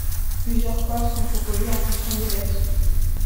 Plusieurs coiffes sont proposées en fonction des versions.